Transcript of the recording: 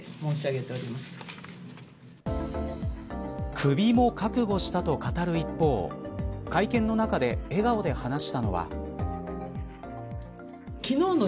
クビも覚悟したと語る一方会見の中で笑顔で話したのは。